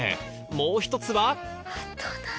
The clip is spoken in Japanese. もう１つは？